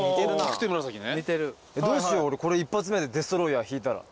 どうしよう俺これ１発目でデストロイヤー引いたら。